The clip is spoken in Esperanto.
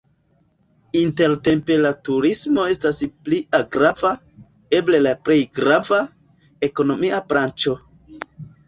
Intertempe la turismo estas plia grava, eble la plej grava, ekonomia branĉo.